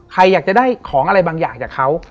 ใครอยากจะได้ของอะไรบางอย่างจากเขา